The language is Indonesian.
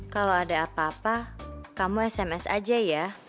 kalau ada apa apa kamu sms aja ya